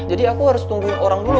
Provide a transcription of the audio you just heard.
jadi aku harus tungguin orang dulu